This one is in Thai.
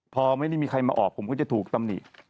พอไม่ได้มีใครมาออกผมก็จะถูกตำหนิ